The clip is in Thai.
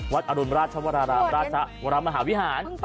อรุณราชวรารามราชวรมหาวิหาร